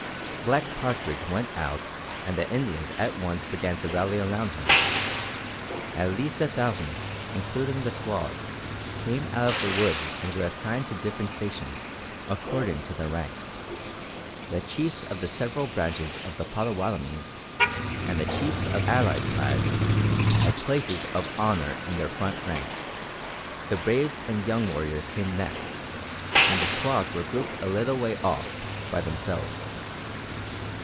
Black Partridge went out and the Indians at once began to rally around him. At least a thousand, including the squaws, came out of the woods and were assigned to different stations, according to their rank. The chiefs of the several branches of the Pottawattomies and the chiefs of allied tribes, had places of honour in the front ranks. The braves and young warriors came next, and the squaws were grouped a little way off, by themselves.